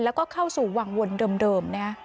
แล้วก็เข้าสู่หวังวนเดิมนะครับ